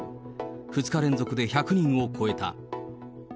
２日連続で１００人を超えた。